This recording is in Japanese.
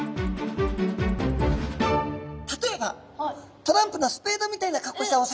例えばトランプのスペードみたいな格好したお魚。